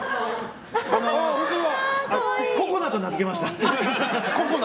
ココナと名付けました。